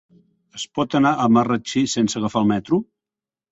Es pot anar a Marratxí sense agafar el metro?